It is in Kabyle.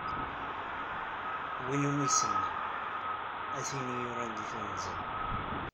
Win iwumi isemma: «A tin iyi-yuran deg twenza-w."